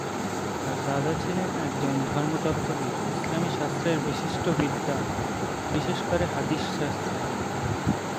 তার দাদা ছিলেন একজন ধর্মতত্ত্ববিদ, ইসলামী শাস্ত্রের বিশিষ্ট বিদ্বান, বিশেষ করে হাদিস শাস্ত্রের।